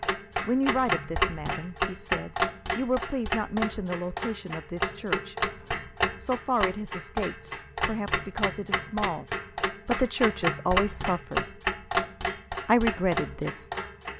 "When you write of this, madame," he said, "you will please not mention the location of this church. So far it has escaped perhaps because it is small. But the churches always suffer." I regretted this.